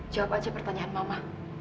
jawab aja pertanyaan mama